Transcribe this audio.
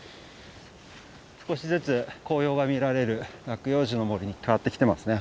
少しずつ紅葉が見られる落葉樹の森に変わってきてますね。